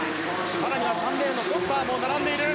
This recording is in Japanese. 更には３レーンのフォスターも並んでいる。